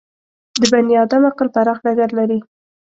د بني ادم عقل پراخ ډګر لري.